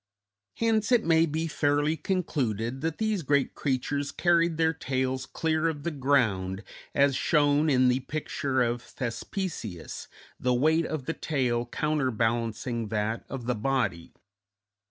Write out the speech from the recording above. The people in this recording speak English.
Hence it may be fairly concluded that these great creatures carried their tails clear of the ground, as shown in the picture of Thespesius, the weight of the tail counterbalancing that of the body.